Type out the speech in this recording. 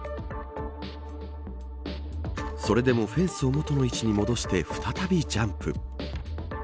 それでもフェンスを元の位置に戻して再びジャンプ。